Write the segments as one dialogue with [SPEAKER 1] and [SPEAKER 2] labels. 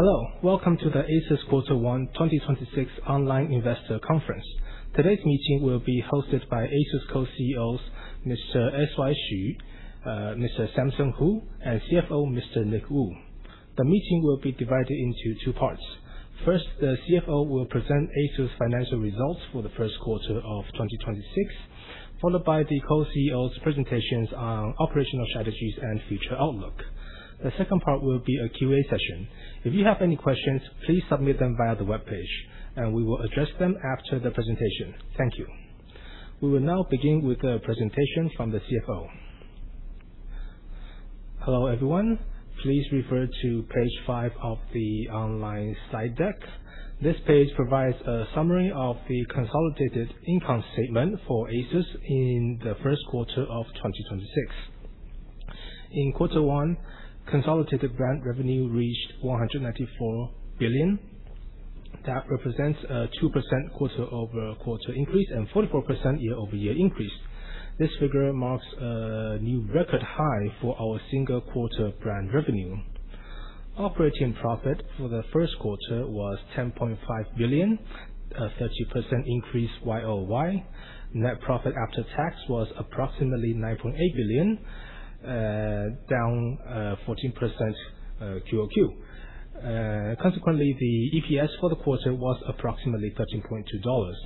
[SPEAKER 1] Hello, welcome to the ASUS Q1 2026 Online Investor Conference. Today's meeting will be hosted by ASUS Co-CEOs, Mr. S.Y. Hsu, Mr. Samson Hu, and CFO Mr. Nick Wu. The meeting will be divided into two parts. First, the CFO will present ASUS financial results for the first quarter of 2026, followed by the Co-CEO's presentations on operational strategies and future outlook. The second part will be a Q&A session. If you have any questions, please submit them via the webpage, and we will address them after the presentation. Thank you. We will now begin with the presentation from the CFO.
[SPEAKER 2] Hello, everyone. Please refer to page five of the online slide deck. This page provides a summary of the consolidated income statement for ASUS in the first quarter of 2026. In Q1, consolidated brand revenue reached 194 billion. That represents a 2% quarter-over-quarter increase and 44% year-over-year increase. This figure marks a new record high for our single quarter brand revenue. Operating profit for the first quarter was 10.5 billion, a 30% increase YoY. Net profit after tax was approximately 9.8 billion, down 14% QoQ. Consequently, the EPS for the quarter was approximately 13.2 dollars.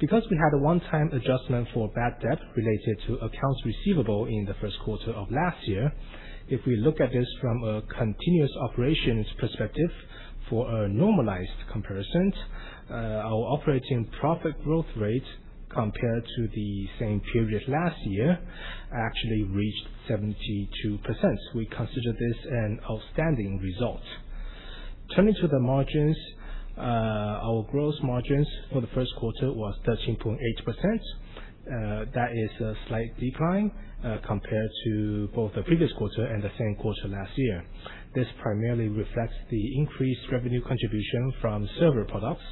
[SPEAKER 2] Because we had a one-time adjustment for bad debt related to accounts receivable in the first quarter of last year, if we look at this from a continuous operations perspective for a normalized comparison, our operating profit growth rate compared to the same period last year actually reached 72%. We consider this an outstanding result. Turning to the margins, our gross margins for the first quarter was 13.8%. That is a slight decline compared to both the previous quarter and the same quarter last year. This primarily reflects the increased revenue contribution from server products.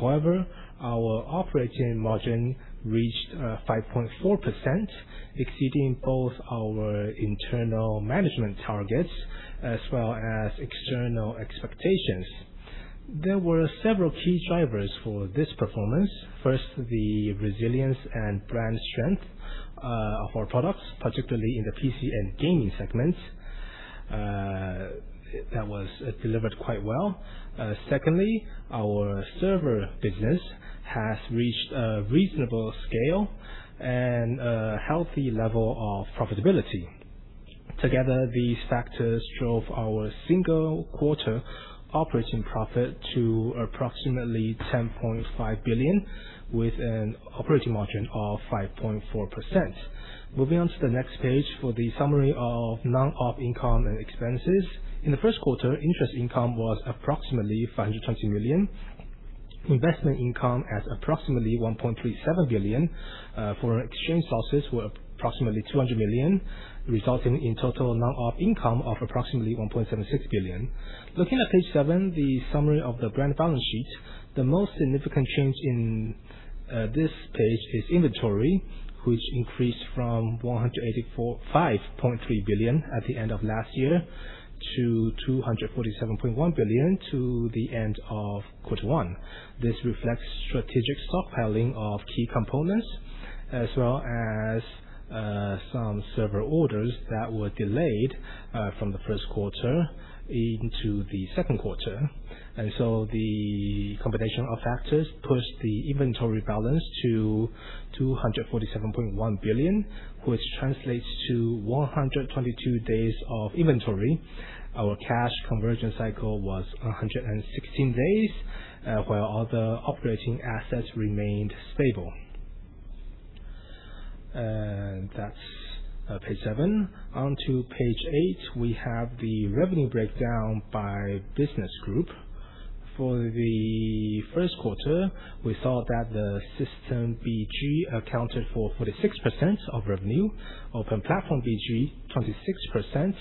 [SPEAKER 2] However, our operating margin reached 5.4%, exceeding both our internal management targets as well as external expectations. There were several key drivers for this performance. First, the resilience and brand strength of our products, particularly in the PC and gaming segments. That was delivered quite well. Secondly, our Server business has reached a reasonable scale and a healthy level of profitability. Together, these factors drove our single quarter operating profit to approximately 10.5 billion with an operating margin of 5.4%. Moving on to the next page for the summary of non-op income and expenses. In the first quarter, interest income was approximately 520 million. Investment income at approximately 1.37 billion, foreign exchange losses were approximately 200 million, resulting in total non-op income of approximately 1.76 billion. Looking at page seven, the summary of the brand balance sheet. The most significant change in this page is inventory, which increased from 185.3 billion at the end of last year to 247.1 billion to the end of Q1. This reflects strategic stockpiling of key components as well as some Server orders that were delayed from the first quarter into the second quarter. The combination of factors pushed the inventory balance to 247.1 billion, which translates to 122 days of inventory. Our cash conversion cycle was 116 days, while other operating assets remained stable. That's page seven. On to page eight, we have the revenue breakdown by business group. For the first quarter, we saw that the System BG accounted for 46% of revenue, Open Platform BG 26%,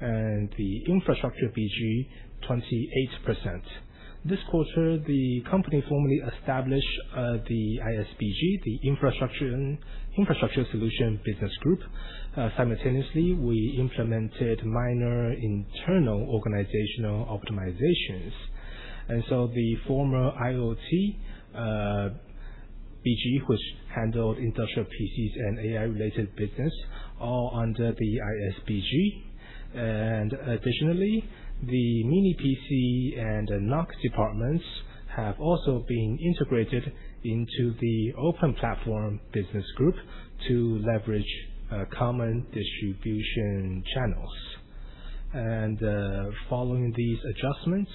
[SPEAKER 2] and the Infrastructure BG 28%. This quarter, the company formally established the IS BG, the Infrastructure Solutions Business Group. Simultaneously, we implemented minor internal organizational optimizations. The former AIoT BG, which handled industrial PCs and AI-related business, are under the IS BG. Additionally, the Mini PC and the NUC departments have also been integrated into the Open Platform Business Group to leverage common distribution channels. Following these adjustments,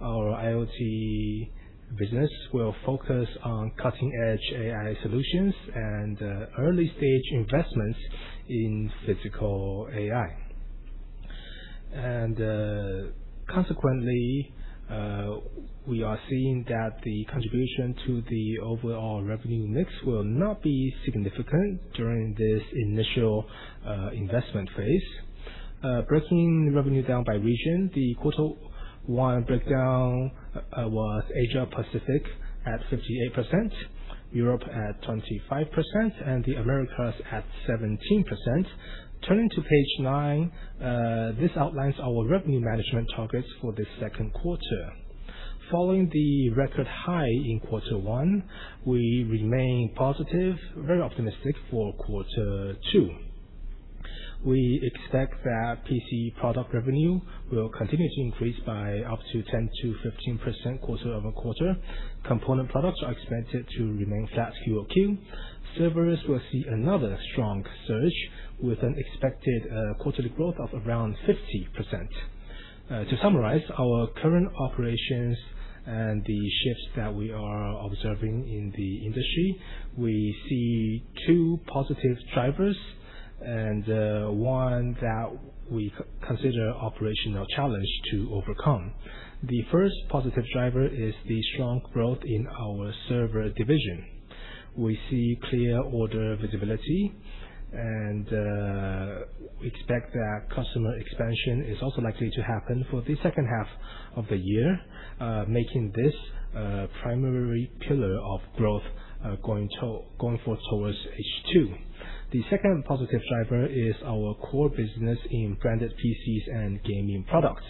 [SPEAKER 2] our AIoT business will focus on cutting-edge AI solutions and early-stage investments in physical AI. Consequently, we are seeing that the contribution to the overall revenue mix will not be significant during this initial investment phase. Breaking revenue down by region, the Q1 breakdown was Asia Pacific at 58%, Europe at 25%, and the Americas at 17%. Turning to page nine, this outlines our revenue management targets for Q2. Following the record high in Q1, we remain positive, very optimistic for Q2. We expect that PC product revenue will continue to increase by up to 10%-15% QoQ. Component products are expected to remain flat QOQ. Servers will see another strong surge with an expected quarterly growth of around 50%. To summarize our current operations and the shifts that we are observing in the industry, we see two positive drivers and one that we consider operational challenge to overcome. The first positive driver is the strong growth in our Server division. We see clear order visibility and we expect that customer expansion is also likely to happen for the second half of the year, making this a primary pillar of growth going forward towards H2. The second positive driver is our core business in branded PCs and gaming products.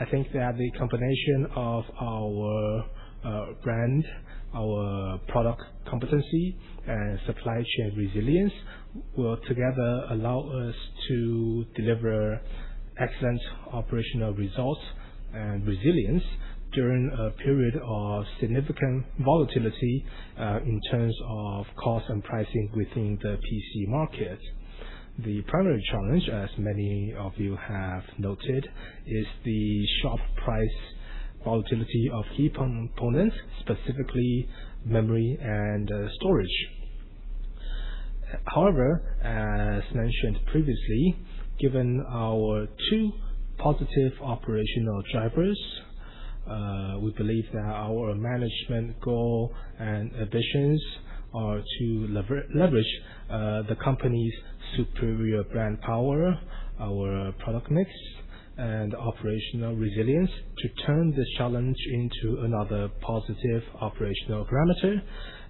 [SPEAKER 2] I think that the combination of our brand, our product competency, and supply chain resilience will together allow us to deliver excellent operational results and resilience during a period of significant volatility in terms of cost and pricing within the PC market. The primary challenge, as many of you have noted, is the sharp price volatility of key components, specifically memory and storage. As mentioned previously, given our two positive operational drivers, we believe that our management goal and ambitions are to leverage the company's superior brand power, our product mix, and operational resilience to turn this challenge into another positive operational parameter,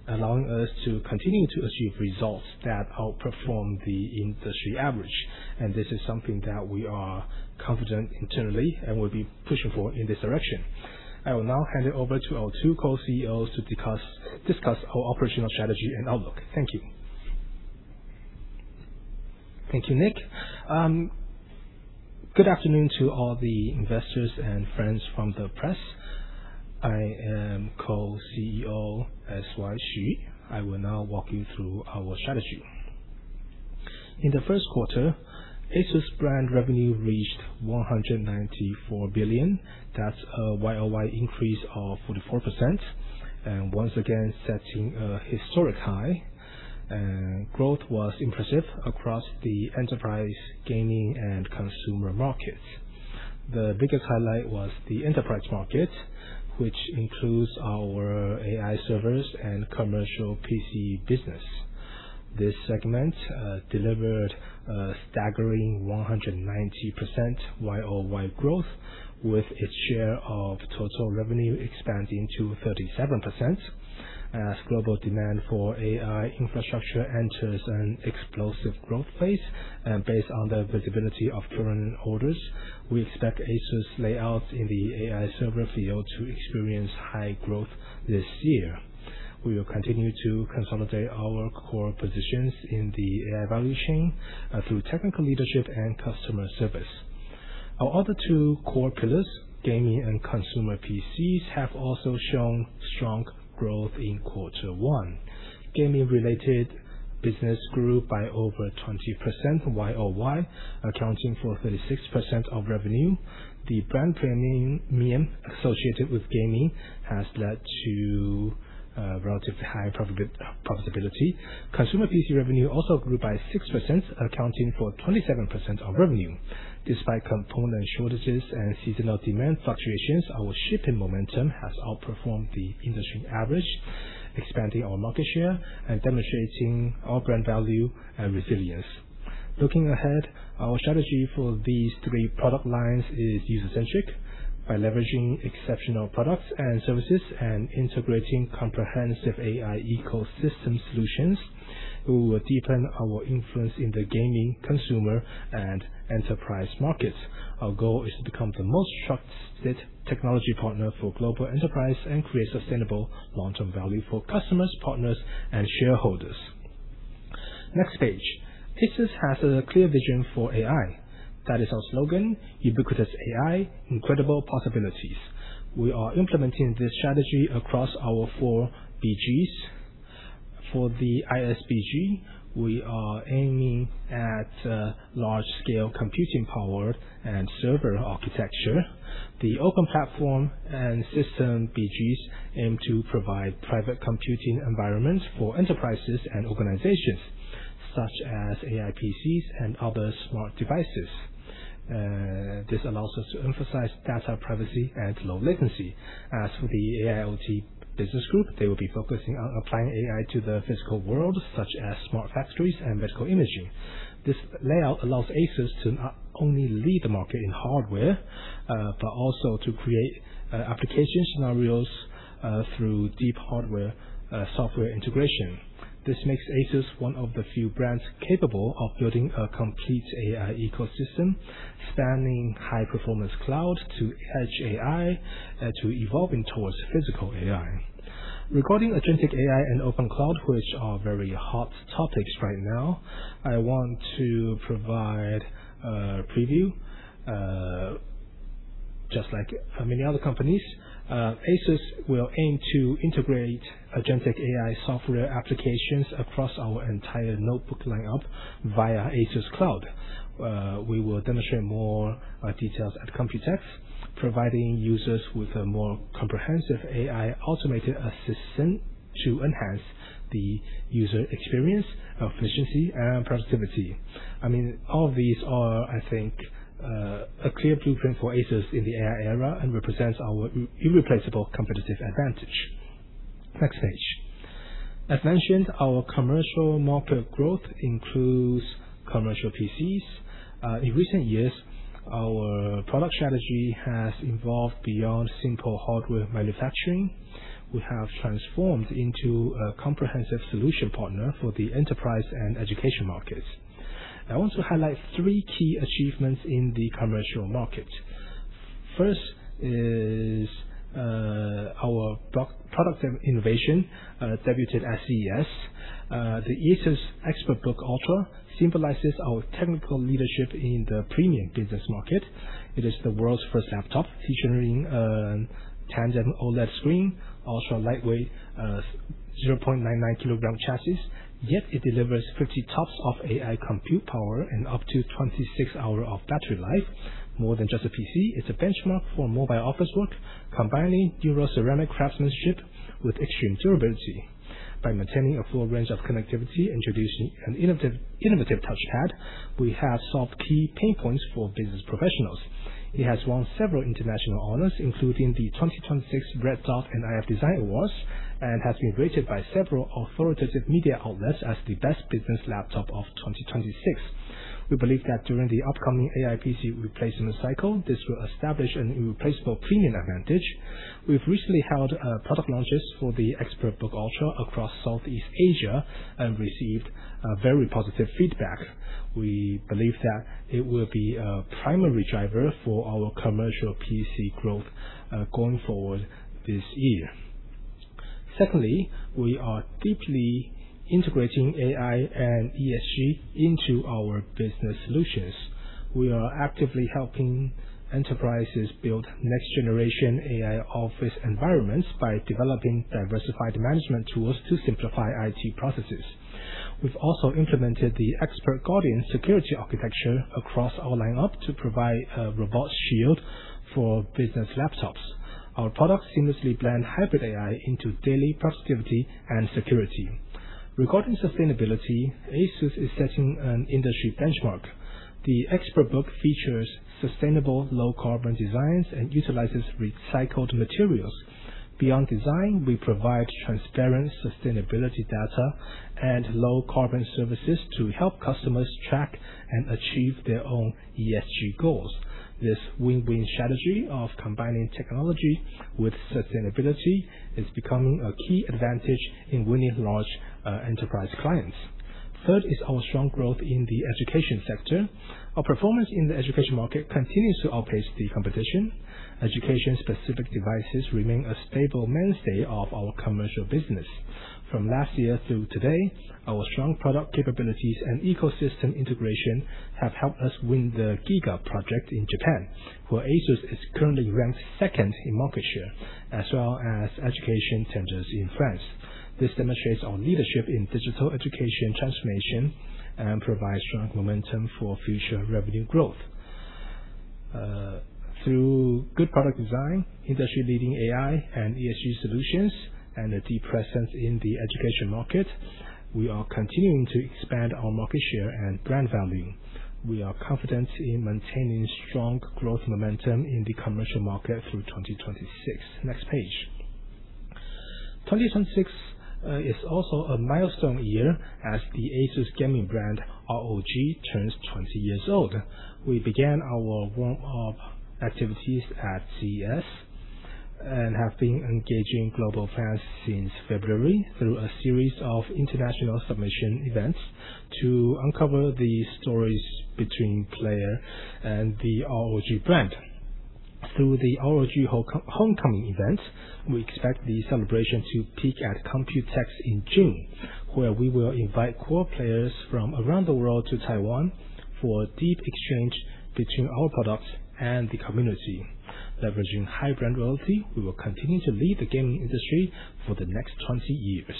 [SPEAKER 2] allowing us to continue to achieve results that outperform the industry average. This is something that we are confident internally and will be pushing for in this direction. I will now hand it over to our two Co-CEOs to discuss our operational strategy and outlook. Thank you.
[SPEAKER 3] Thank you, Nick. Good afternoon to all the investors and friends from the press. I am Co-CEO S.Y. Hsu. I will now walk you through our strategy. In the first quarter, ASUS brand revenue reached 194 billion. That's a YoY increase of 44%, once again setting a historic high. Growth was impressive across the enterprise, gaming, and consumer markets. The biggest highlight was the enterprise market, which includes our AI Servers and Commercial PC business. This segment delivered a staggering 190% YoY growth, with its share of total revenue expanding to 37%. As global demand for AI infrastructure enters an explosive growth phase, based on the visibility of current orders, we expect ASUS layout in the AI Server field to experience high growth this year. We will continue to consolidate our core positions in the AI value chain through technical leadership and customer service. Our other two core pillars, Gaming and Consumer PCs, have also shown strong growth in quarter one. Gaming related business grew by over 20% YoY, accounting for 36% of revenue. The brand premium associated with gaming has led to relatively high profitability. Consumer PC revenue also grew by 6%, accounting for 27% of revenue. Despite component shortages and seasonal demand fluctuations, our shipping momentum has outperformed the industry average, expanding our market share and demonstrating our brand value and resilience. Looking ahead, our strategy for these three product lines is user-centric. By leveraging exceptional products and services and integrating comprehensive AI ecosystem solutions, we will deepen our influence in the gaming, consumer, and enterprise markets. Our goal is to become the most trusted technology partner for global enterprise and create sustainable long-term value for customers, partners, and shareholders. Next page. ASUS has a clear vision for AI. That is our slogan, Ubiquitous AI, Incredible Possibilities. We are implementing this strategy across our four BGs. For the IS BG, we are aiming at large-scale computing power and server architecture. The Open Platform and System BGs aim to provide private computing environments for enterprises and organizations, such as AI PCs and other smart devices. This allows us to emphasize data privacy and low latency. As for the AIoT Business Group, they will be focusing on applying AI to the physical world, such as smart factories and medical imaging. This layout allows ASUS to not only lead the market in hardware, but also to create application scenarios through deep hardware, software integration. This makes ASUS one of the few brands capable of building a complete AI ecosystem, spanning high-performance cloud to edge AI, to evolving towards physical AI. Regarding agentic AI and open cloud, which are very hot topics right now, I want to provide a preview. Just like many other companies, ASUS will aim to integrate agentic AI software applications across our entire notebook lineup via ASUS Cloud. We will demonstrate more details at Computex, providing users with a more comprehensive AI automated assistant to enhance the user experience, efficiency, and productivity. I mean, all of these are, I think, a clear blueprint for ASUS in the AI era and represents our irreplaceable competitive advantage. Next page. As mentioned, our commercial market growth includes Commercial PCs. In recent years, our product strategy has evolved beyond simple hardware manufacturing. We have transformed into a comprehensive solution partner for the enterprise and education markets. I want to highlight three key achievements in the commercial market. First is, our product innovation, debuted at CES. The ASUS ExpertBook Ultra symbolizes our technical leadership in the premium business market. It is the world's first laptop featuring a tandem OLED screen, ultra-lightweight, 0.99 kg chassis. Yet it delivers 50 TOPS of AI compute power and up to 26-hours of battery life. More than just a PC, it's a benchmark for mobile office work, combining [Nano] Ceramic craftsmanship with extreme durability. By maintaining a full range of connectivity, introducing an innovative touchpad, we have solved key pain points for business professionals. It has won several international honors, including the 2026 Red Dot Design Award and iF Design Award, and has been rated by several authoritative media outlets as the best business laptop of 2026. We believe that during the upcoming AI PC replacement cycle, this will establish an irreplaceable premium advantage. We've recently held product launches for the ExpertBook Ultra across Southeast Asia and received very positive feedback. We believe that it will be a primary driver for our Commercial PC growth going forward this year. Secondly, we are deeply integrating AI and ESG into our business solutions. We are actively helping enterprises build next generation AI office environments by developing diversified management tools to simplify IT processes. We've also implemented the ExpertGuardian security architecture across our lineup to provide a robust shield for business laptops. Our products seamlessly blend hybrid AI into daily productivity and security. Regarding sustainability, ASUS is setting an industry benchmark. The ExpertBook features sustainable low carbon designs and utilizes recycled materials. Beyond design, we provide transparent sustainability data and low carbon services to help customers track and achieve their own ESG goals. This win-win strategy of combining technology with sustainability is becoming a key advantage in winning large enterprise clients. Third is our strong growth in the education sector. Our performance in the education market continues to outpace the competition. Education-specific devices remain a stable mainstay of our Commercial business. From last year through today, our strong product capabilities and ecosystem integration have helped us win the GIGA School Program in Japan, where ASUS is currently ranked second in market share, as well as education tenders in France. This demonstrates our leadership in digital education transformation and provides strong momentum for future revenue growth. Through good product design, industry-leading AI and ESG solutions, and a deep presence in the education market, we are continuing to expand our market share and brand value. We are confident in maintaining strong growth momentum in the commercial market through 2026. Next page. 2026 is also a milestone year as the ASUS gaming brand, ROG, turns 20 years old. We began our warm-up activities at CES and have been engaging global fans since February through a series of international submission events to uncover the stories between player and the ROG brand. Through the ROG Homecoming event, we expect the celebration to peak at Computex in June, where we will invite core players from around the world to Taiwan for a deep exchange between our products and the community. Leveraging high brand loyalty, we will continue to lead the gaming industry for the next 20 years.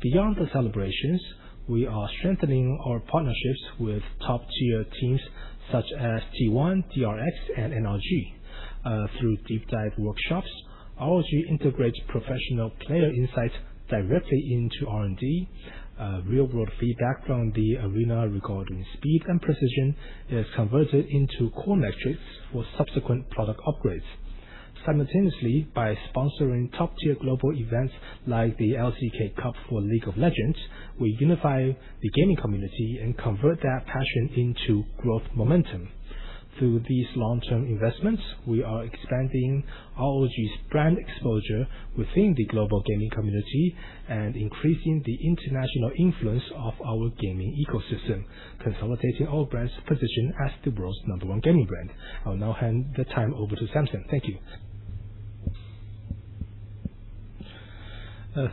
[SPEAKER 3] Beyond the celebrations, we are strengthening our partnerships with top-tier teams such as T1, DRX, and NRG. Through deep dive workshops, ROG integrates professional player insights directly into R&D. Real-world feedback from the arena regarding speed and precision is converted into core metrics for subsequent product upgrades. Simultaneously, by sponsoring top-tier global events like the LCK Cup for League of Legends, we unify the gaming community and convert that passion into growth momentum. Through these long-term investments, we are expanding ROG's brand exposure within the global gaming community and increasing the international influence of our gaming ecosystem, consolidating our brand's position as the world's number one gaming brand. I will now hand the time over to Samson. Thank you.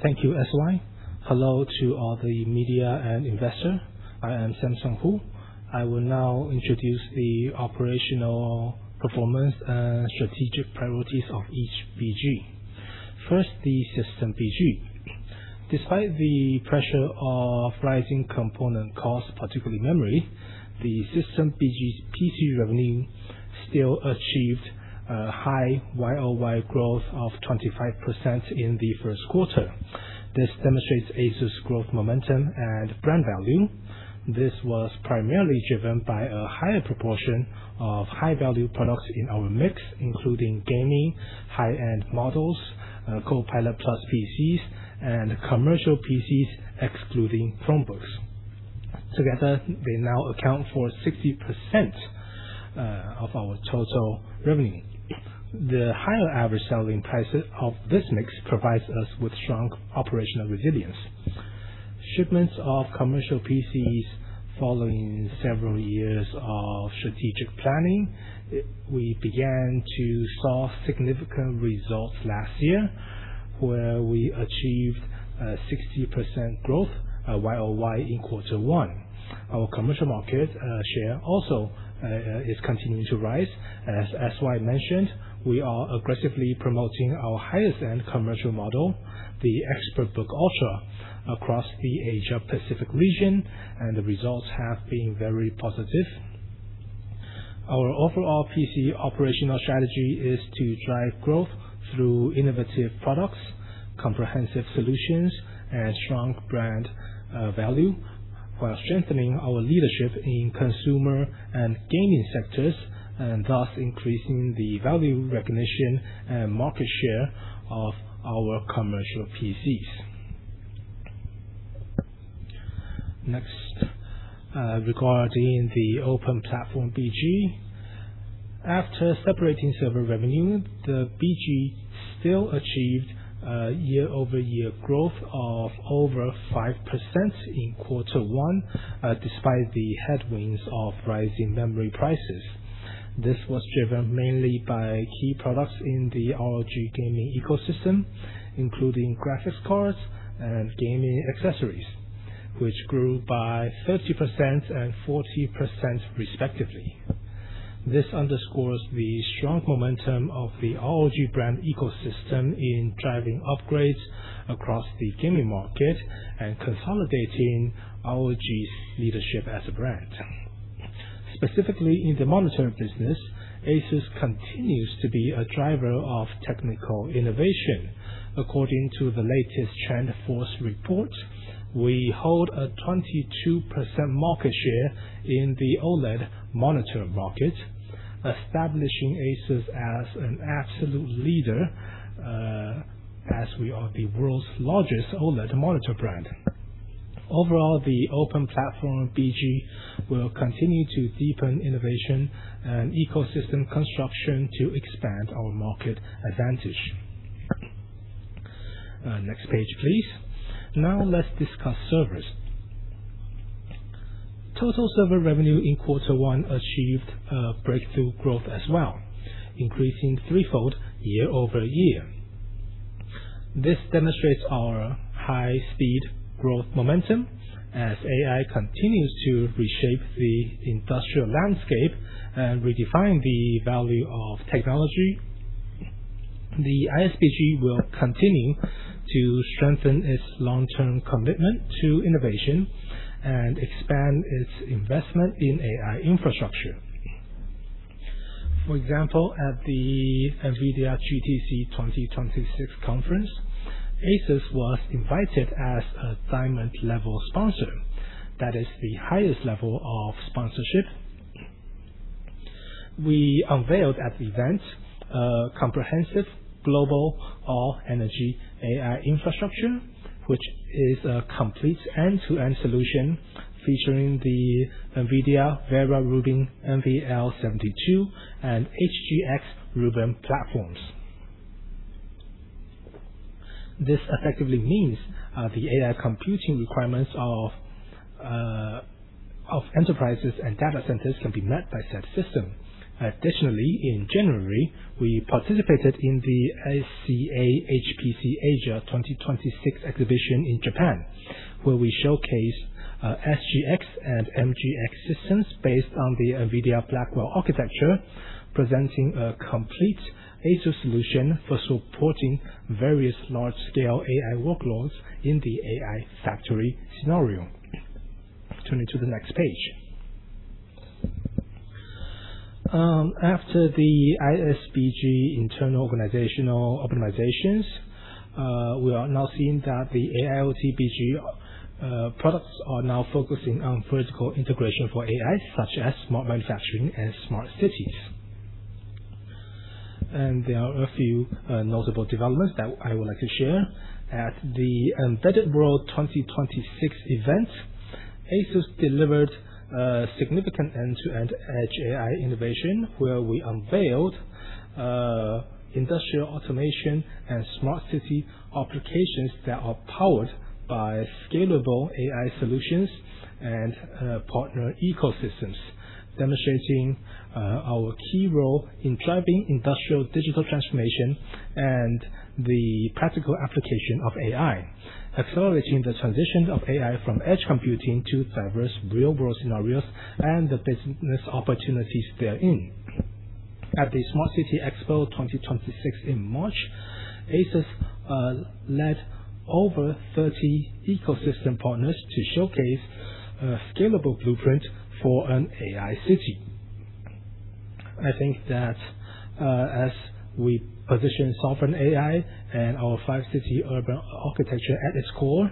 [SPEAKER 4] Thank you, S.Y., Hello to all the media and investors. I am Samson Hu. I will now introduce the operational performance and strategic priorities of each BG. First, the System BG. Despite the pressure of rising component costs, particularly memory, the System BG's PC revenue still achieved a high YoY growth of 25% in the first quarter. This demonstrates ASUS growth momentum and brand value. This was primarily driven by a higher proportion of high-value products in our mix, including gaming, high-end models, Copilot+ PCs and Commercial PCs excluding Chromebooks. Together, they now account for 60% of our total revenue. The higher average selling prices of this mix provides us with strong operational resilience. Shipments of Commercial PCs following several years of strategic planning, we began to saw significant results last year, where we achieved 60% growth YoY in quarter one. Our commercial market share also is continuing to rise. As SY mentioned, we are aggressively promoting our highest end commercial model, the ExpertBook Ultra, across the Asia Pacific region, and the results have been very positive. Our overall PC operational strategy is to drive growth through innovative products, comprehensive solutions, and strong brand value, while strengthening our leadership in consumer and gaming sectors, and thus increasing the value recognition and market share of our Commercial PCs. Next, regarding the Open Platform BG. After separating Server revenue, the BG still achieved YoY growth of over 5% in Q1, despite the headwinds of rising memory prices. This was driven mainly by key products in the ROG gaming ecosystem, including graphics cards and gaming accessories, which grew by 30% and 40% respectively. This underscores the strong momentum of the ROG brand ecosystem in driving upgrades across the gaming market and consolidating ROG's leadership as a brand. Specifically in the monitor business, ASUS continues to be a driver of technical innovation. According to the latest TrendForce report, we hold a 22% market share in the OLED monitor market, establishing ASUS as an absolute leader, as we are the world's largest OLED monitor brand. Overall, the Open Platform BG will continue to deepen innovation and ecosystem construction to expand our market advantage. Next page, please. Now let's discuss Servers. Total Server revenue in quarter one achieved breakthrough growth as well, increasing threefold year-over-year. This demonstrates our high-speed growth momentum. As AI continues to reshape the industrial landscape and redefine the value of technology, the IS BG will continue to strengthen its long-term commitment to innovation and expand its investment in AI infrastructure. For example, at the NVIDIA GTC 2026 conference, ASUS was invited as a Diamond Level sponsor. That is the highest level of sponsorship. We unveiled at the event a comprehensive global all energy AI infrastructure, which is a complete end-to-end solution featuring the NVIDIA Vera Rubin NVL72 and HGX Rubin platforms. This effectively means the AI computing requirements of enterprises and data centers can be met by said system. Additionally, in January, we participated in the SCA/HPCAsia 2026 exhibition in Japan, where we showcased HGX and MGX systems based on the NVIDIA Blackwell architecture, presenting a complete ASUS solution for supporting various large-scale AI workloads in the AI factory scenario. Turning to the next page. After the IS BG internal organizational optimizations, we are now seeing that the AIoT BG products are now focusing on vertical integration for AI, such as smart manufacturing and smart cities. There are a few notable developments that I would like to share. At the Embedded World 2026 event, ASUS delivered significant end-to-end edge AI innovation, where we unveiled industrial automation and smart city applications that are powered by scalable AI solutions and partner ecosystems. Demonstrating our key role in driving industrial digital transformation and the practical application of AI, accelerating the transition of AI from edge computing to diverse real-world scenarios and the business opportunities therein. At the Smart City Expo 2026 in March, ASUS led over 30 ecosystem partners to showcase a scalable blueprint for an AI city. As we position sovereign AI and our five-city urban architecture at its core,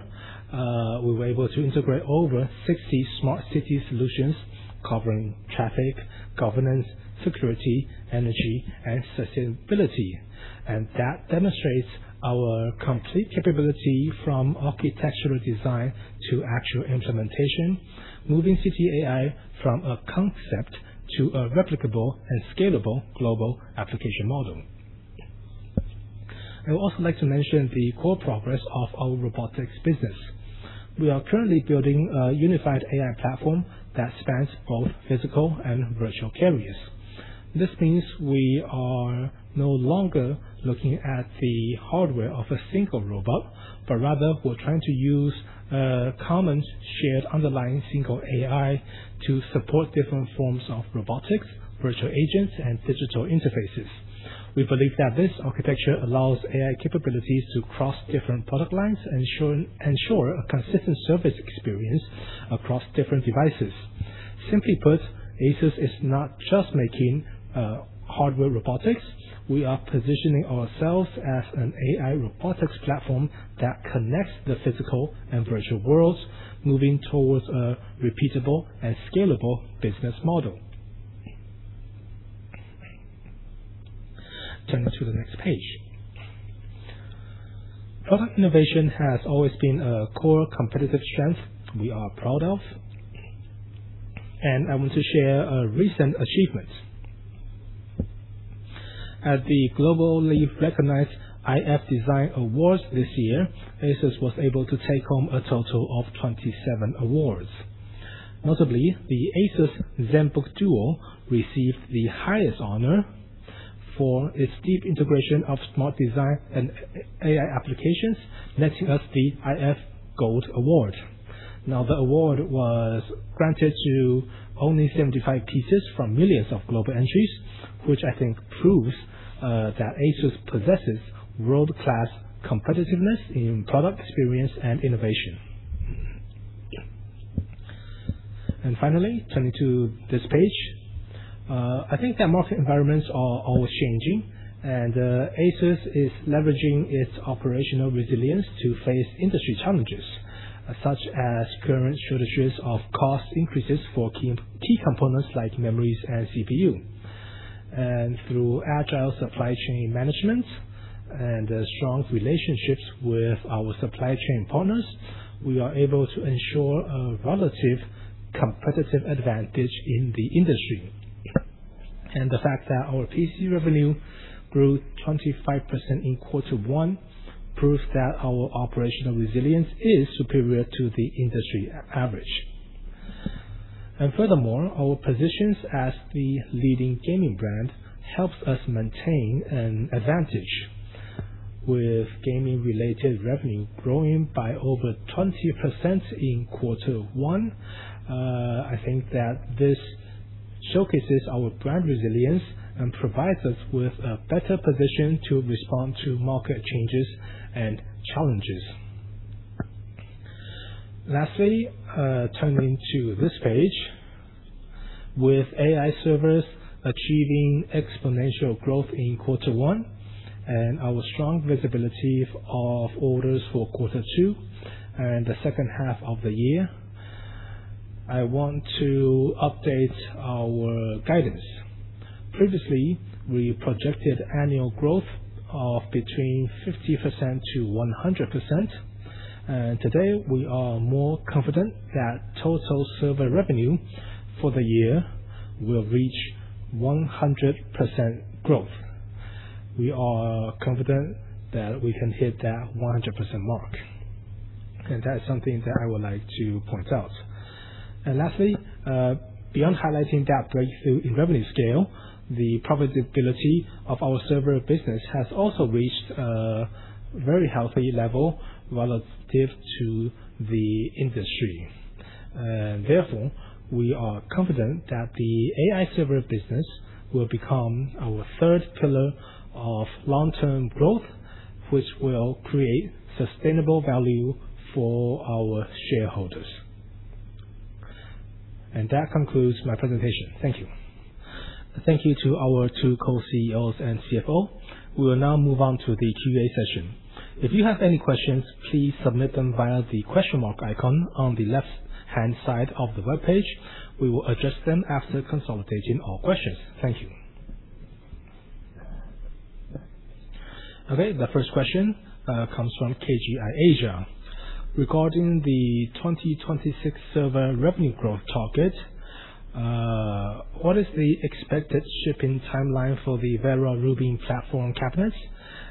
[SPEAKER 4] we were able to integrate over 60 smart city solutions covering traffic, governance, security, energy, and sustainability. That demonstrates our complete capability from architectural design to actual implementation, moving city AI from a concept to a replicable and scalable global application model. I would also like to mention the core progress of our robotics business. We are currently building a unified AI platform that spans both physical and virtual carriers. This means we are no longer looking at the hardware of a single robot, but rather we're trying to use a common shared underlying single AI to support different forms of robotics, virtual agents, and digital interfaces. We believe that this architecture allows AI capabilities to cross different product lines and ensure a consistent service experience across different devices. Simply put, ASUS is not just making hardware robotics. We are positioning ourselves as an AI robotics platform that connects the physical and virtual worlds, moving towards a repeatable and scalable business model. Turning to the next page. Product innovation has always been a core competitive strength we are proud of. I want to share a recent achievement. At the globally recognized iF Design Awards this year, ASUS was able to take home a total of 27 awards. Notably, the ASUS Zenbook Duo received the highest honor for its deep integration of smart design and AI applications, netting us the iF Gold Award. The award was granted to only 75 pieces from millions of global entries, which I think proves that ASUS possesses world-class competitiveness in product experience and innovation. Finally, turning to this page. I think that market environments are always changing. ASUS is leveraging its operational resilience to face industry challenges, such as current shortages of cost increases for key components like memories and CPU. Through agile supply chain management and strong relationships with our supply chain partners, we are able to ensure a relative competitive advantage in the industry. The fact that our PC revenue grew 25% in quarter one proves that our operational resilience is superior to the industry average. Furthermore, our positions as the leading gaming brand helps us maintain an advantage with gaming-related revenue growing by over 20% in quarter one. I think that this showcases our brand resilience and provides us with a better position to respond to market changes and challenges. Lastly, turning to this page. With AI Servers achieving exponential growth in quarter one and our strong visibility of orders for quarter two and the second half of the year, I want to update our guidance. Previously, we projected annual growth of between 50% to 100%. Today, we are more confident that total Server revenue for the year will reach 100% growth. We are confident that we can hit that 100% mark, and that is something that I would like to point out. Lastly, beyond highlighting that breakthrough in revenue scale, the profitability of our Server business has also reached a very healthy level relative to the industry. Therefore, we are confident that the AI Server business will become our third pillar of long-term growth, which will create sustainable value for our shareholders. That concludes my presentation. Thank you.
[SPEAKER 1] Thank you to our two Co-CEOs and CFO. We will now move on to the Q&A session. If you have any questions, please submit them via the question mark icon on the left-hand side of the webpage. We will address them after consolidating all questions. Thank you. Okay. The first question comes from KGI Asia. Regarding the 2026 Server revenue growth target, what is the expected shipping timeline for the Vera Rubin platform cabinets?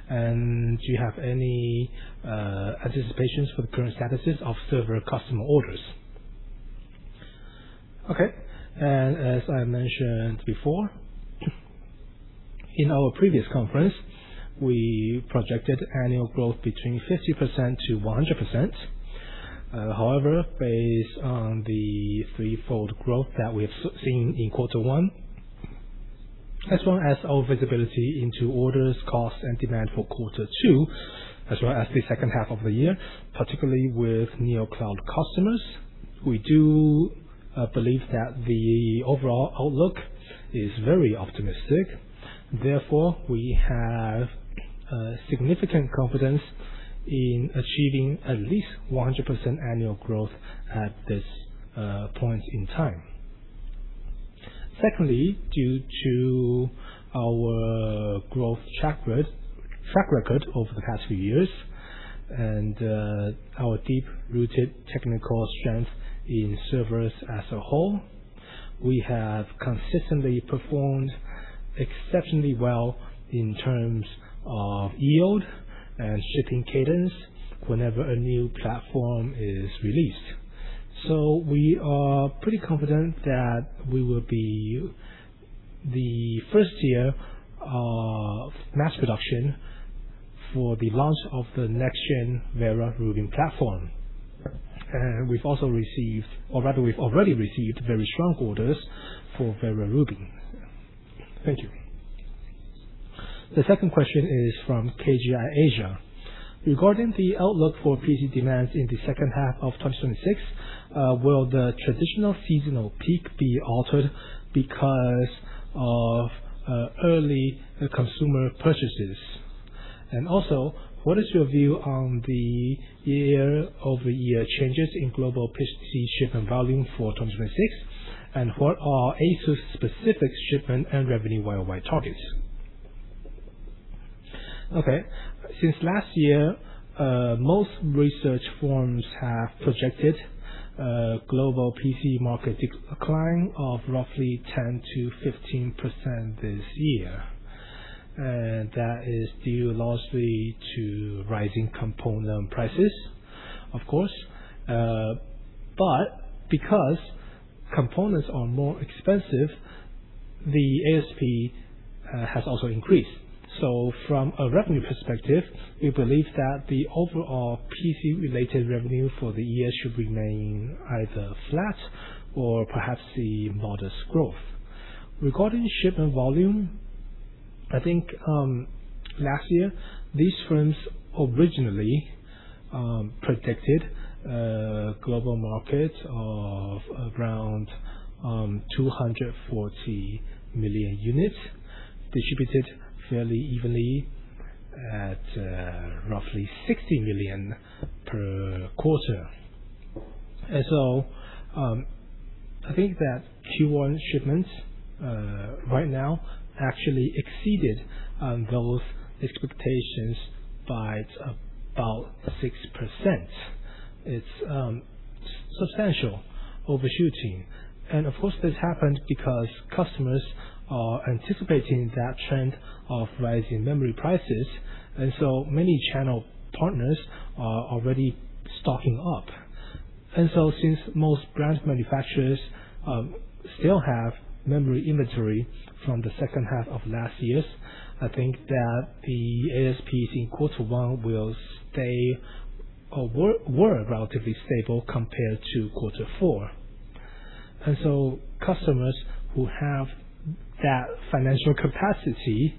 [SPEAKER 1] Do you have any anticipations for the current statuses of Server customer orders?
[SPEAKER 4] Okay. As I mentioned before, in our previous conference, we projected annual growth between 50% to 100%. However, based on the threefold growth that we have seen in quarter one, as well as our visibility into orders, costs, and demand for quarter two, as well as the second half of the year, particularly with neocloud customers, we do believe that the overall outlook is very optimistic. Therefore, we have significant confidence in achieving at least 100% annual growth at this point in time. Secondly, due to our growth track record over the past few years and our deep-rooted technical strength in Servers as a whole, we have consistently performed exceptionally well in terms of yield and shipping cadence whenever a new platform is released. We are pretty confident that we will be the first year of mass production for the launch of the next-gen Vera Rubin platform. We've already received very strong orders for Vera Rubin. Thank you.
[SPEAKER 1] The second question is from KGI Asia. Regarding the outlook for PC demands in the second half of 2026, will the traditional seasonal peak be altered because of early consumer purchases? What is your view on the year-over-year changes in global PC shipment volume for 2026? What are ASUS specific shipment and revenue worldwide targets?
[SPEAKER 4] Since last year, most research firms have projected global PC market decline of roughly 10%-15% this year. That is due largely to rising component prices, of course. Because components are more expensive, the ASP has also increased. From a revenue perspective, we believe that the overall PC-related revenue for the year should remain either flat or perhaps see modest growth. Regarding shipment volume, I think last year, these firms originally predicted a global market of around 240 million units distributed fairly evenly at roughly 60 million per quarter. I think that Q1 shipments right now actually exceeded those expectations by about 6%. It's substantial overshooting. This happened because customers are anticipating that trend of rising memory prices, many channel partners are already stocking up. Since most brand manufacturers still have memory inventory from the second half of last year's, I think that the ASPs in Q1 will stay or were relatively stable compared to Q4. Customers who have that financial capacity,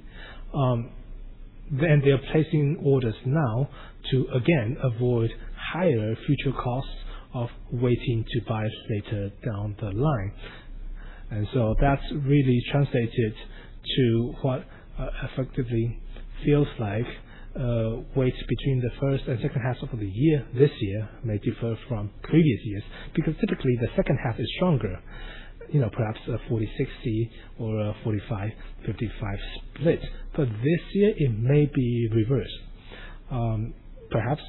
[SPEAKER 4] they are placing orders now to again avoid higher future costs of waiting to buy later down the line. That's really translated to what effectively feels like weights between the first and second half of the year. This year may differ from previous years, because typically, the second half is stronger, you know, perhaps a 40/60 or a 45/55 split. This year it may be reversed, perhaps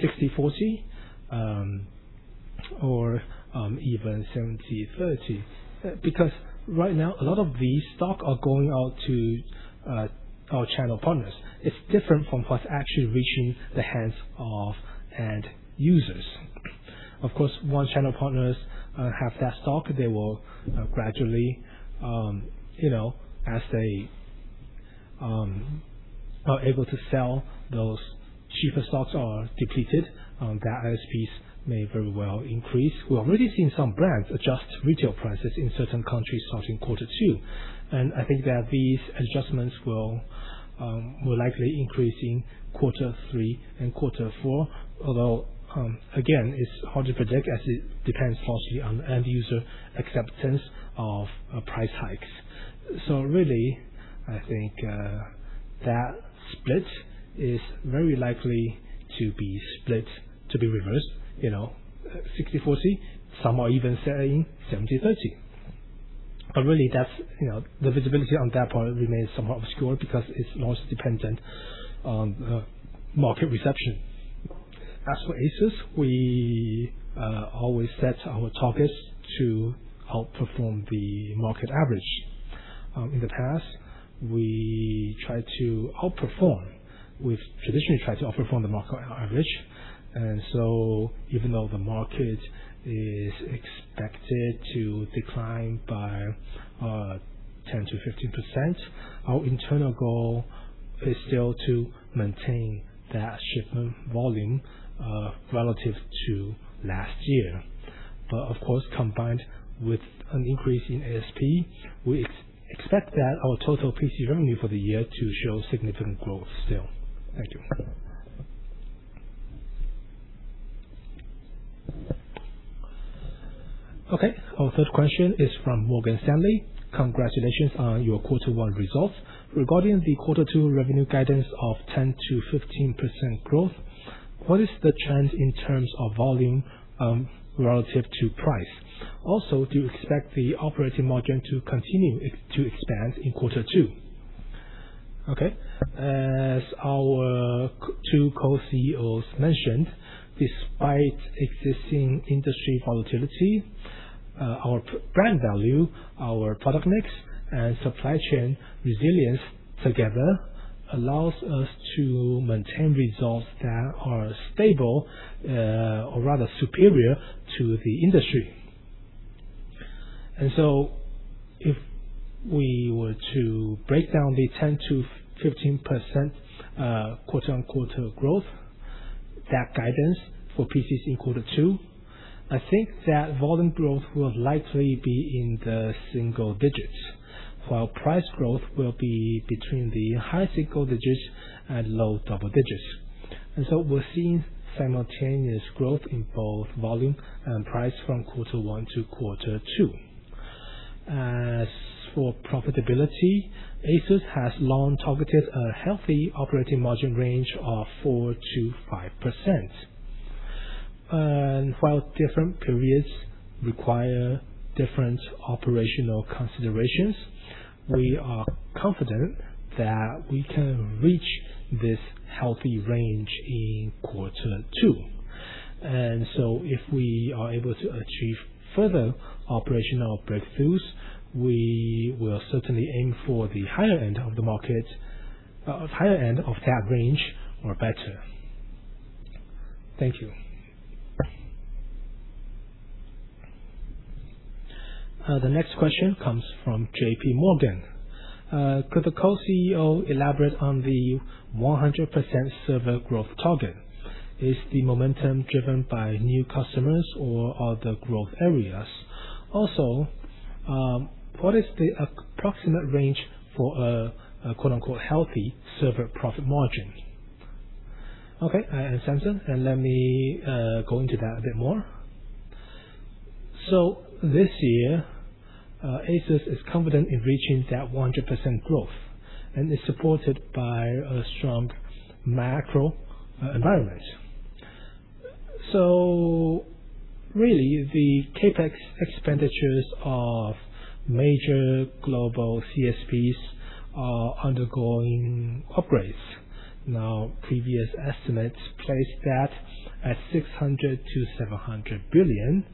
[SPEAKER 4] 60/40 or even 70/30. Because right now a lot of these stock are going out to our channel partners. It's different from what's actually reaching the hands of end users. Of course, once channel partners have that stock, they will gradually, you know, as they are able to sell those cheaper stocks are depleted, that ASPs may very well increase. We're already seeing some brands adjust retail prices in certain countries starting Q2, and I think that these adjustments will more likely increase in Q3 and Q4. Although, again, it's hard to project as it depends largely on end user acceptance of price hikes. Really, I think that split is very likely to be reversed, you know, 60/40, some are even saying 70/30. Really that's, you know, the visibility on that part remains somewhat obscure because it's most dependent on market reception. As for ASUS, we always set our targets to outperform the market average. In the past, we tried to outperform. We've traditionally tried to outperform the market average. Even though the market is expected to decline by 10%-15%, our internal goal is still to maintain that shipment volume relative to last year. Of course, combined with an increase in ASP, we expect that our total PC revenue for the year to show significant growth still. Thank you.
[SPEAKER 1] Okay, our third question is from Morgan Stanley. Congratulations on your quarter one results. Regarding the quarter two revenue guidance of 10%-15% growth, what is the trend in terms of volume relative to price? Do you expect the operating margin to continue to expand in quarter two?
[SPEAKER 2] Okay. As our two co-CEOs mentioned, despite existing industry volatility, our brand value, our product mix, and supply chain resilience together allows us to maintain results that are stable, or rather superior to the industry. If we were to break down the 10%-15% quarter-on-quarter growth, that guidance for PCs in two quarter, I think that volume growth will likely be in the single-digits, while price growth will be between the high-single-digits and low-double-digits. We're seeing simultaneous growth in both volume and price from quarter one to quarter two. Profitability, ASUS has long targeted a healthy operating margin range of 4%-5%. While different periods require different operational considerations, we are confident that we can reach this healthy range in quarter two. If we are able to achieve further operational breakthroughs, we will certainly aim for the higher end of the market, higher end of that range or better. Thank you.
[SPEAKER 1] The next question comes from JPMorgan. Could the Co-CEO elaborate on the 100% Server growth target? Is the momentum driven by new customers or other growth areas? Also, what is the approximate range for a quote, unquote, healthy Server profit margin?
[SPEAKER 4] Okay. I understand, sir, and let me go into that a bit more. This year, ASUS is confident in reaching that 100% growth, and is supported by a strong macro environment. Really, the CapEx expenditures of major global CSPs are undergoing upgrades. Previous estimates placed that at 600 billion to 700 billion,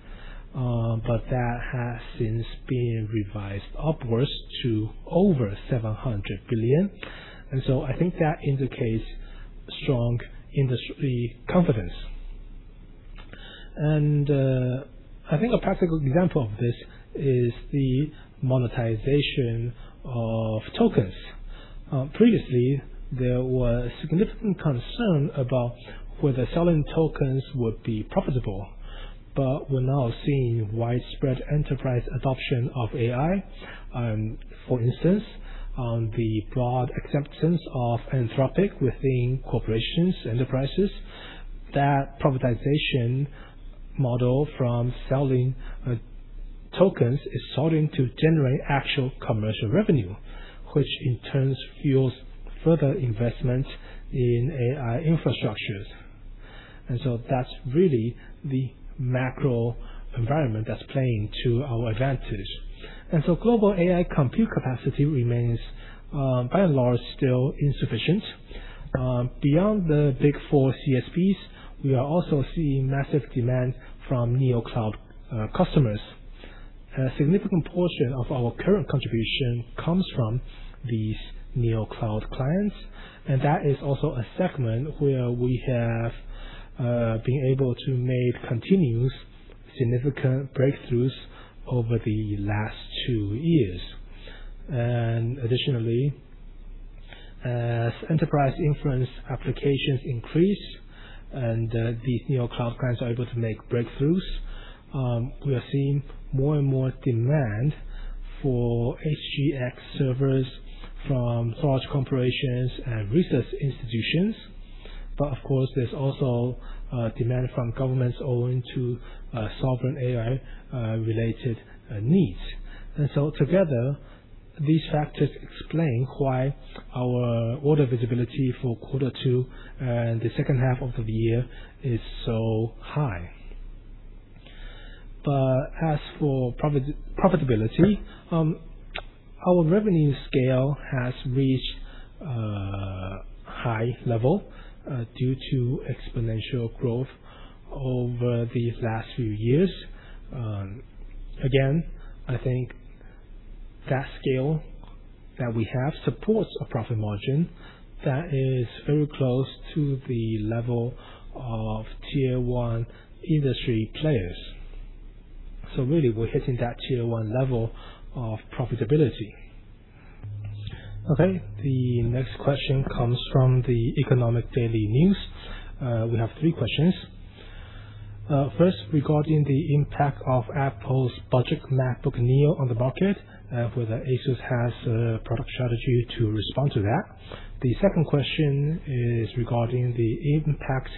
[SPEAKER 4] that has since been revised upwards to over 700 billion. I think that indicates strong industry confidence. I think a practical example of this is the monetization of tokens. Previously, there was significant concern about whether selling tokens would be profitable, but we're now seeing widespread enterprise adoption of AI. For instance, the broad acceptance of Anthropic within corporations, enterprises, that privatization model from selling tokens is starting to generate actual commercial revenue, which in turn fuels further investment in AI infrastructures. That's really the macro environment that's playing to our advantage. Global AI compute capacity remains by and large still insufficient. Beyond the big four CSPs, we are also seeing massive demand from neocloud customers. A significant portion of our current contribution comes from these neocloud clients, that is also a segment where we have been able to make continuous significant breakthroughs over the last two years. Additionally, as enterprise inference applications increase and these neocloud clients are able to make breakthroughs, we are seeing more and more demand for HGX Servers from large corporations and research institutions. Of course, there's also demand from governments owing to sovereign AI related needs. Together, these factors explain why our order visibility for quarter two and the second half of the year is so high. As for profitability, our revenue scale has reached a high level due to exponential growth over these last few years. Again, I think that scale that we have supports a profit margin that is very close to the level of Tier 1 industry players. Really, we're hitting that Tier 1 level of profitability.
[SPEAKER 1] The next question comes from the Economic Daily News. We have three questions. First, regarding the impact of Apple's budget MacBook Neo on the market, whether ASUS has a product strategy to respond to that. The second question is regarding the impact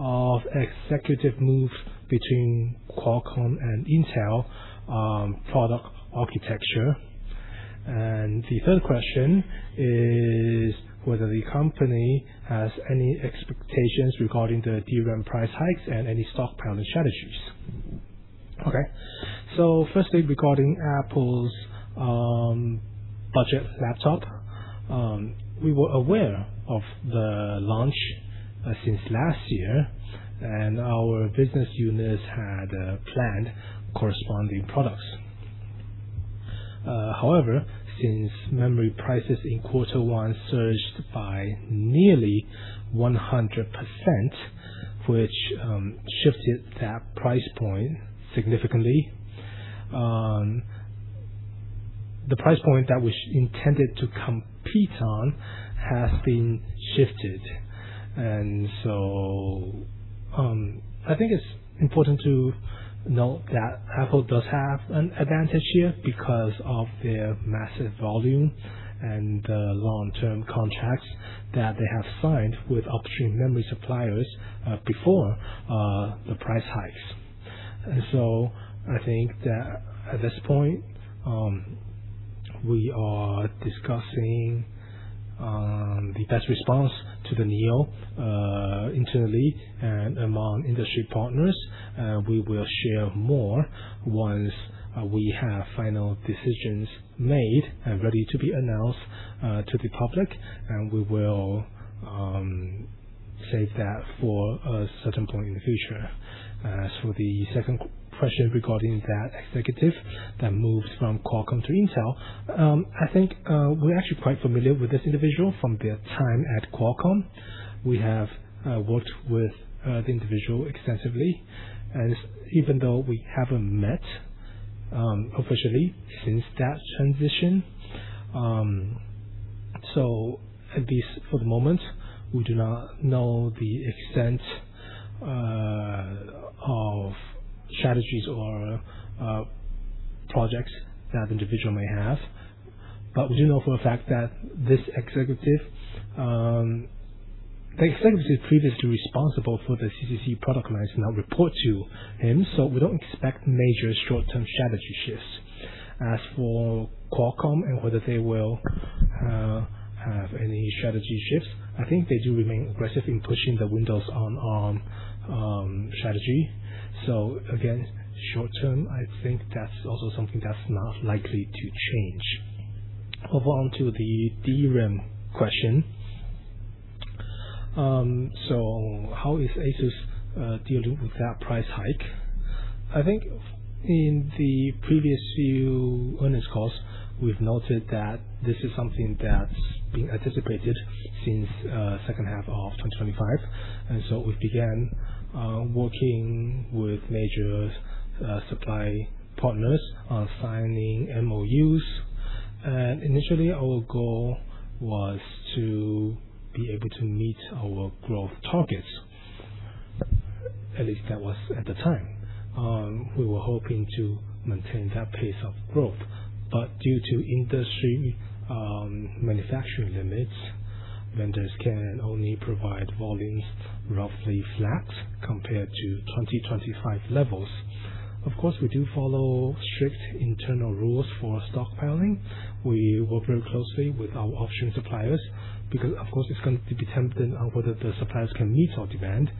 [SPEAKER 1] of executive moves between Qualcomm and Intel, product architecture. The third question is whether the company has any expectations regarding the DRAM price hikes and any stockpiling strategies.
[SPEAKER 4] Firstly, regarding Apple's budget laptop, we were aware of the launch since last year, and our business units had planned corresponding products. However, since memory prices in quarter one surged by nearly 100%, which shifted that price point significantly, the price point that was intended to compete on has been shifted. I think it's important to note that Apple does have an advantage here because of their massive volume and the long-term contracts that they have signed with upstream memory suppliers before the price hikes. I think that at this point, we are discussing the best response to the MacBook Neo internally and among industry partners. We will share more once we have final decisions made and ready to be announced to the public, and we will save that for a certain point in the future. As for the second question regarding that executive that moves from Qualcomm to Intel, I think we're actually quite familiar with this individual from their time at Qualcomm. We have worked with the individual extensively, and even though we haven't met officially since that transition, so at least for the moment, we do not know the extent of strategies or projects that individual may have. We do know for a fact that this executive, the executive previously responsible for the CCG product lines now report to him, so we don't expect major short-term strategy shifts. As for Qualcomm and whether they will have any strategy shifts, I think they do remain aggressive in pushing the Windows on ARM strategy. Again, short term, I think that's also something that's not likely to change. Move on to the DRAM question. How is ASUS dealing with that price hike? I think in the previous few earnings calls, we've noted that this is something that's been anticipated since second half of 2025. We began working with major supply partners on signing MOUs. Initially, our goal was to be able to meet our growth targets. At least that was at the time. We were hoping to maintain that pace of growth. Due to industry manufacturing limits, vendors can only provide volumes roughly flat compared to 2025 levels. Of course, we do follow strict internal rules for stockpiling. We work very closely with our upstream suppliers because, of course, it's going to be dependent on whether the suppliers can meet our demand.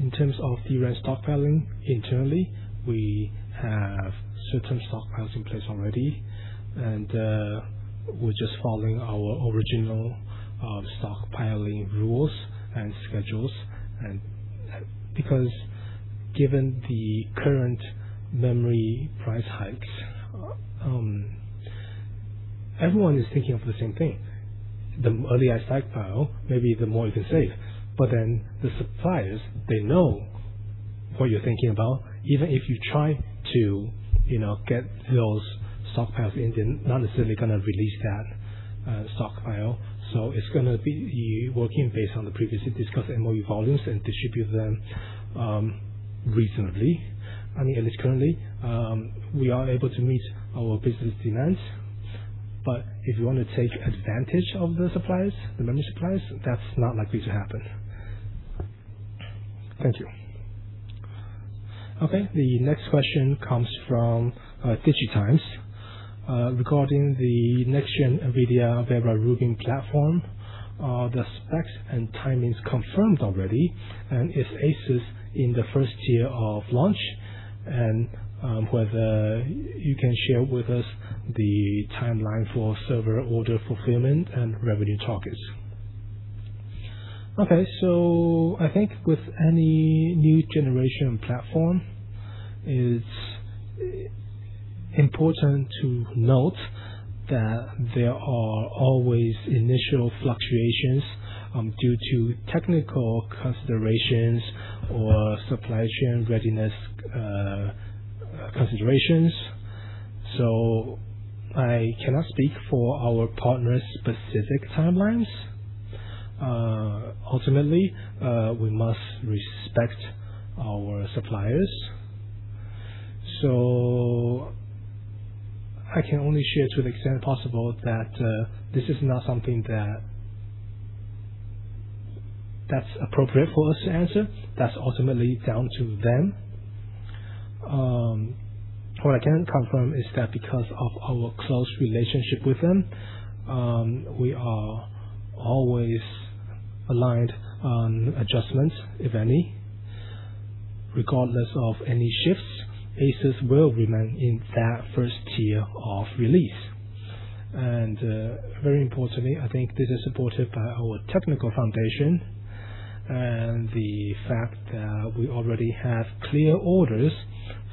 [SPEAKER 2] In terms of DRAM stockpiling internally, we have certain stockpiles in place already. We're just following our original stockpiling rules and schedules. Given the current memory price hikes, everyone is thinking of the same thing. The earlier you stockpile, maybe the more you can save. The suppliers, they know what you're thinking about. Even if you try to, you know, get those stockpiles in, they're not necessarily gonna release that stockpile. It's gonna be working based on the previously discussed MOU volumes and distribute them reasonably. I mean, at least currently, we are able to meet our business demands, but if you want to take advantage of the supplies, the memory supplies, that's not likely to happen. Thank you.
[SPEAKER 1] Okay, the next question comes from DIGITIMES. Regarding the next-gen NVIDIA Vera Rubin platform, are the specs and timings confirmed already? Is ASUS in the first tier of launch? Whether you can share with us the timeline for Server order fulfillment and revenue targets?
[SPEAKER 4] Okay. I think with any new generation platform, it's important to note that there are always initial fluctuations due to technical considerations or supply chain readiness considerations. I cannot speak for our partner's specific timelines. Ultimately, we must respect our suppliers. I can only share to the extent possible that this is not something that's appropriate for us to answer. That's ultimately down to them. What I can confirm is that because of our close relationship with them, we are always aligned on adjustments, if any. Regardless of any shifts, ASUS will remain in that first tier of release. Very importantly, I think this is supported by our technical foundation and the fact that we already have clear orders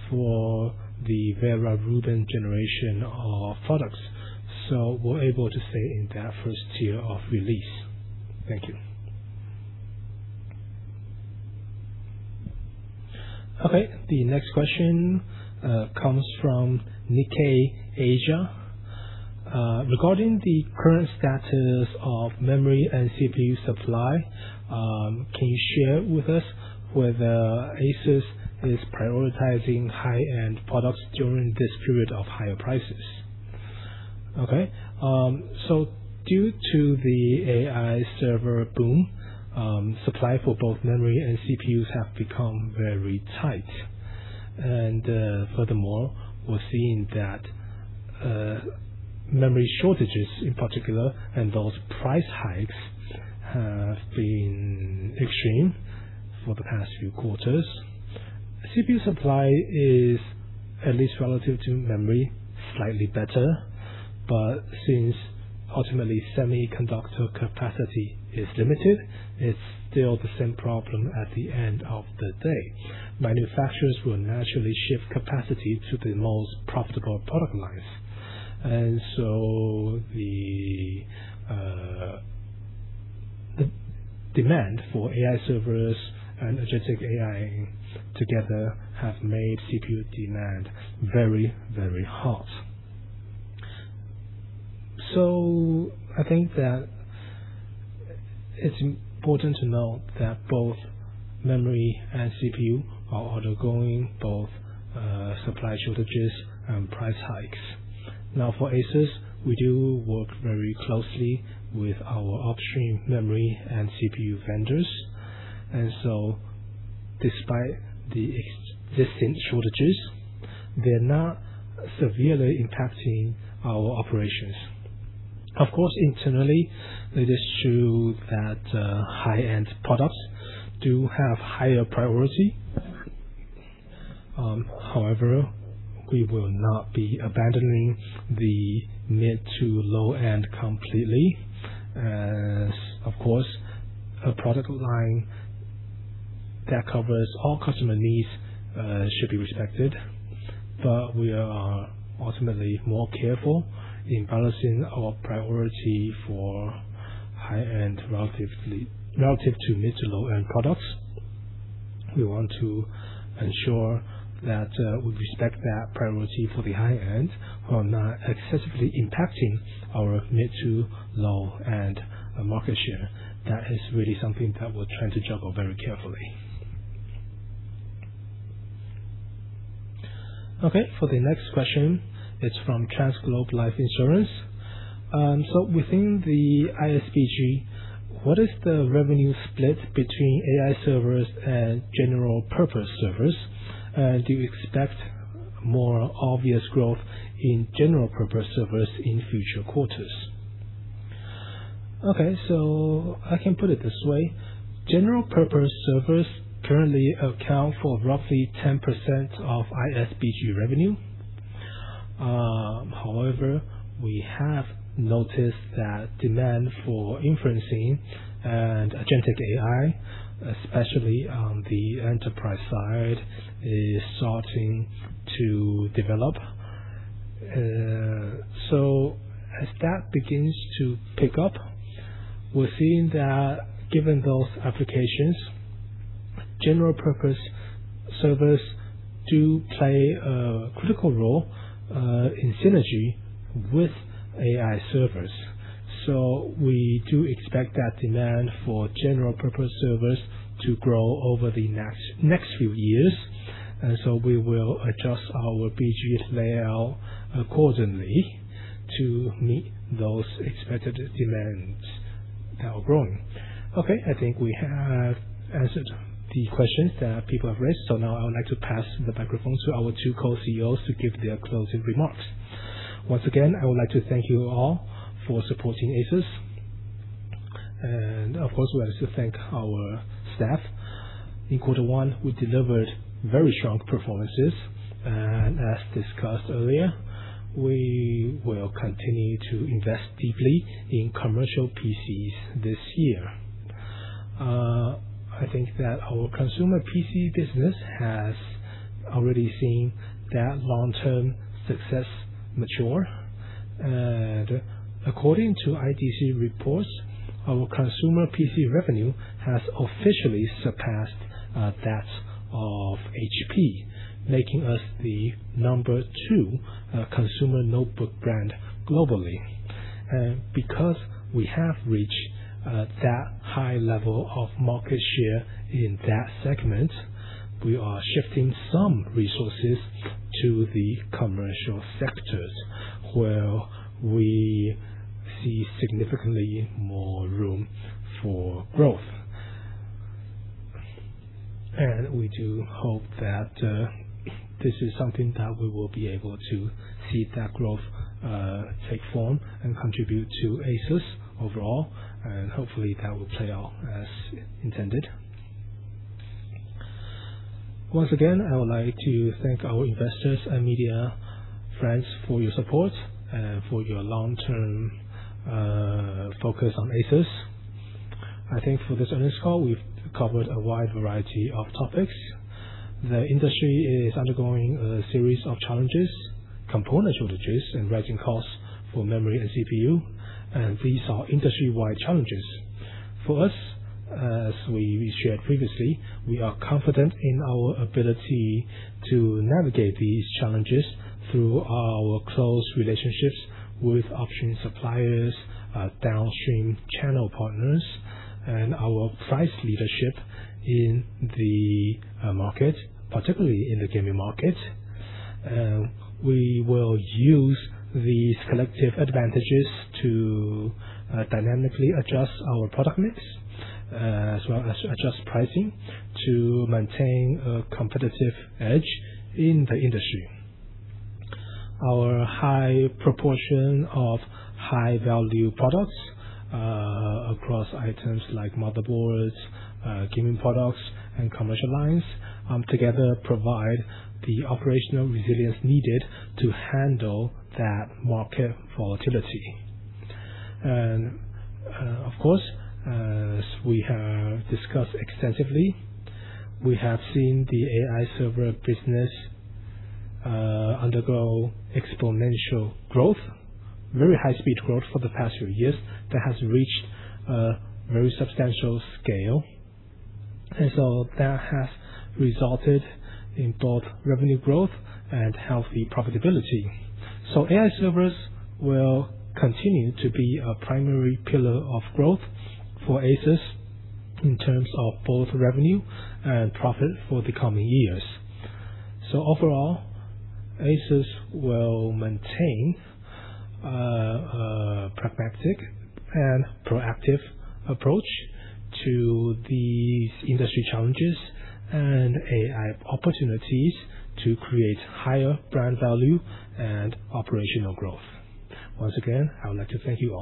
[SPEAKER 4] for the Vera Rubin generation of products. We're able to stay in that first tier of release. Thank you.
[SPEAKER 1] Okay. The next question comes from Nikkei Asia. Regarding the current status of memory and CPU supply, can you share with us whether ASUS is prioritizing high-end products during this period of higher prices?
[SPEAKER 4] Okay. Due to the AI Server boom, supply for both memory and CPUs have become very tight. Furthermore, we're seeing that memory shortages in particular, and those price hikes have been extreme for the past few quarters. CPU supply is, at least relative to memory, slightly better, but since ultimately semiconductor capacity is limited, it's still the same problem at the end of the day. Manufacturers will naturally shift capacity to the most profitable product lines. The demand for AI Servers and agentic AI together have made CPU demand very, very hot. I think that it's important to note that both memory and CPU are undergoing both supply shortages and price hikes. Now, for ASUS, we do work very closely with our upstream memory and CPU vendors, and so despite the existing shortages, they're not severely impacting our operations. Of course, internally, it is true that high-end products do have higher priority. However, we will not be abandoning the mid to low-end completely, as, of course, a product line that covers all customer needs should be respected. We are ultimately more careful in balancing our priority for high-end relative to mid to low-end products. We want to ensure that we respect that priority for the high-end while not excessively impacting our mid to low-end market share. That is really something that we're trying to juggle very carefully.
[SPEAKER 1] For the next question, it's from TransGlobe Life Insurance. Within the IS BG, what is the revenue split between AI Servers and General-Purpose Servers? Do you expect more obvious growth in General-Purpose Servers in future quarters?
[SPEAKER 2] I can put it this way. General purpose servers currently account for roughly 10% of IS BG revenue. However, we have noticed that demand for inferencing and agentic AI, especially on the enterprise side, is starting to develop. As that begins to pick up, we're seeing that given those applications, General-Purpose Servers do play a critical role in synergy with AI Servers. We do expect that demand for General-Purpose Servers to grow over the next few years. We will adjust our BG layout accordingly to meet those expected demands that are growing.
[SPEAKER 1] Okay. I think we have answered the questions that people have raised. Now I would like to pass the microphone to our two Co-CEOs to give their closing remarks.
[SPEAKER 3] Once again, I would like to thank you all for supporting ASUS. Of course, we would like to thank our staff. In quarter one, we delivered very strong performances and as discussed earlier, we will continue to invest deeply in Commercial PCs this year. I think that our Consumer PC business has already seen that long-term success mature. According to IDC reports, our Consumer PC revenue has officially surpassed that of HP, making us the number two consumer notebook brand globally. Because we have reached that high level of market share in that segment, we are shifting some resources to the commercial sectors where we see significantly more room for growth. We do hope that this is something that we will be able to see that growth take form and contribute to ASUS overall, and hopefully that will play out as intended.
[SPEAKER 4] Once again, I would like to thank our investors and media friends for your support and for your long-term focus on ASUS. I think for this earnings call, we've covered a wide variety of topics. The industry is undergoing a series of challenges, component shortages and rising costs for memory and CPU, and these are industry-wide challenges. For us, as we shared previously, we are confident in our ability to navigate these challenges through our close relationships with upstream suppliers, downstream channel partners, and our price leadership in the market, particularly in the gaming market. We will use these collective advantages to dynamically adjust our product mix, as well as adjust pricing to maintain a competitive edge in the industry. Our high proportion of high value products, across items like motherboards, gaming products and commercial lines, together provide the operational resilience needed to handle that market volatility. Of course, as we have discussed extensively, we have seen the AI Server business undergo exponential growth, very high speed growth for the past few years that has reached a very substantial scale. That has resulted in both revenue growth and healthy profitability. AI Servers will continue to be a primary pillar of growth for ASUS in terms of both revenue and profit for the coming years. Overall, ASUS will maintain a pragmatic and proactive approach to these industry challenges and AI opportunities to create higher brand value and operational growth. Once again, I would like to thank you all.